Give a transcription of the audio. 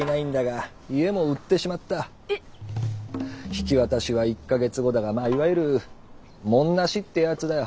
引き渡しは１か月後だがまあいわゆるモン無しってヤツだよ。